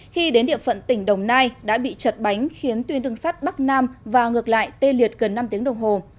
khi đến địa phận tỉnh đồng nai đã bị chật bánh khiến tuyên đường sắt bắc nam và ngược lại tê liệt gần năm tiếng đồng hồ